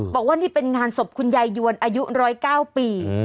บอกว่านี่เป็นงานศพคุณยายยวนอายุ๑๐๙ปี